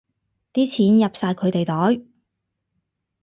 啲錢入晒佢哋袋